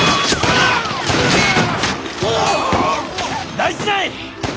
大事ない！